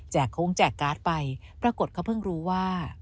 โค้งแจกการ์ดไปปรากฏเขาเพิ่งรู้ว่า